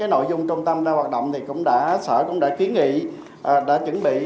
nội dung trung tâm đang hoạt động sở cũng đã kiến nghị đã chuẩn bị